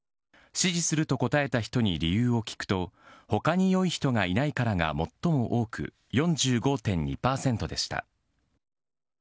支持すると答えた人に理由を聞くと、ほかによい人がいないからが最も多く４５．２％でした。